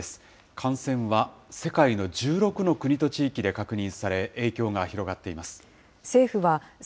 感染は世界の１６の国と地域で確認され、影響が広がっています。